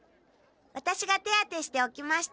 ワタシが手当てしておきました。